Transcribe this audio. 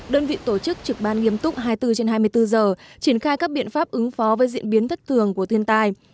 đơn vị tổ chức trực ban nghiêm túc hai mươi bốn trên hai mươi bốn giờ triển khai các biện pháp ứng phó với diễn biến thất thường của thiên tai